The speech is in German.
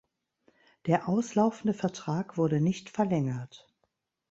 Der auslaufende Vertrag wurde nicht verlängert.